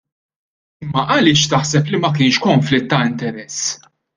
Imma għaliex taħseb li ma kienx konflitt ta' interess?